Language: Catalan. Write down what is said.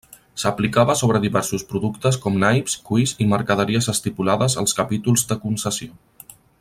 S'aplicava sobre diversos productes com naips, cuirs i mercaderies estipulades als capítols de concessió.